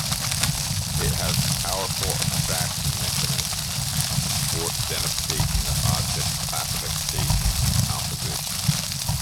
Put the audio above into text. It has powerful abstraction mechanisms to support identification of objects, classification and composition.